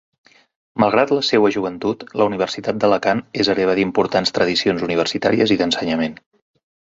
Malgrat la seua joventut, la Universitat d’Alacant és hereva d’importants tradicions universitàries i d’ensenyament.